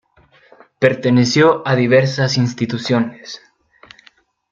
Perteneció a diversas instituciones.